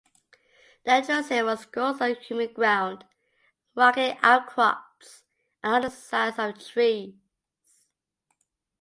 "Dendroceros" grows on humid ground, rocky outcrops, and on the sides of trees.